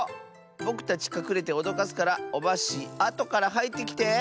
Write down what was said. ぼくたちかくれておどかすからオバッシーあとからはいってきて！